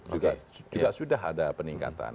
juga sudah ada peningkatan